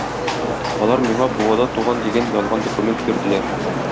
Алар миңа Буада туган дигән ялган документ бирделәр.